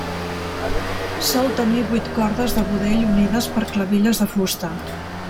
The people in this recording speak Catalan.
Sol tenir vuit cordes de budell unides per clavilles de fusta.